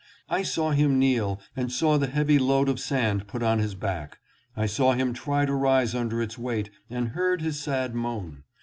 I saw him kneel and saw the heavy load of sand put on his back ; I saw him try to rise under its weight and heard his sad moan.